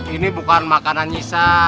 ini bukan makanan nyisa